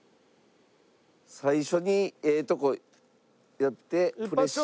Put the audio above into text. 最初にええとこやってプレッシャーかける。